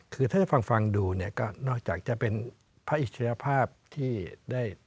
คือถ้าจะฟังดูเนี่ยก็นอกจากจะเป็นพระอิสริยภาพที่ได้